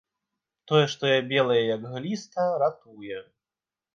Тое, што я белая, як гліста, ратуе.